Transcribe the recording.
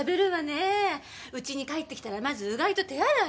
うちに帰ってきたらまずうがいと手洗い！